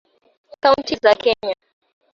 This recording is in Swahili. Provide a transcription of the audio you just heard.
kaunti za kenya